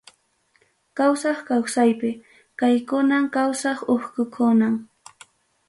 Kawsaq kawsaypi, kaykunam kawsaq uchkukunam.